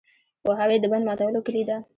پوهاوی د بند ماتولو کلي ده.